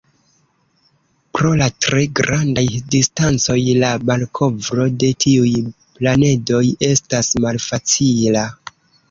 Pro la tre grandaj distancoj, la malkovro de tiuj planedoj estas malfacila.